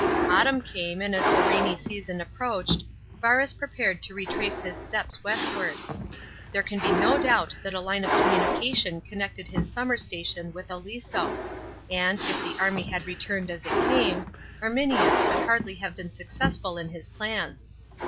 Autumn came, and as the ra ny season apiroichid Varus prepared to retrace his steps westward. There can be no doubt that a line of communicai ion connected his summer station wi h Aliso; and, if the army had returned as it came, Arminius could hamly have been success ul in his plans.